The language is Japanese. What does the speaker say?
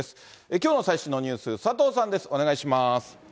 きょうの最新のニュース、佐藤さんです、お願いします。